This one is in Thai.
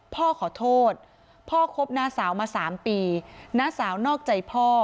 พ่อขอโทษพ่อคบน้าสาวมา๓ปีน้าสาวนอกใจพ่อ